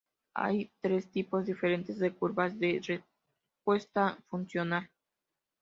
Hay tres tipos diferentes de curvas de respuesta funcional.